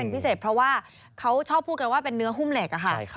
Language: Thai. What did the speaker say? พิเศษเพราะว่าเขาชอบพูดกันว่าเป็นเนื้อหุ้มเหล็กอะค่ะ